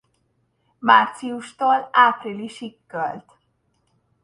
Márciustól áprilisig költ.